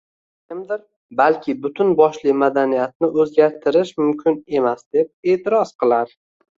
Kimdur balki butun boshli madaniyatni o‘zgartirish mumkin emas, deb e’tiroz qilar.